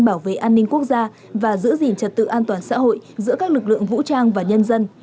bảo vệ an ninh quốc gia và giữ gìn trật tự an toàn xã hội giữa các lực lượng vũ trang và nhân dân